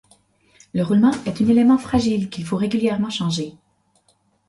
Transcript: Le roulement est une élément fragile qu'il faut régulièrement changer.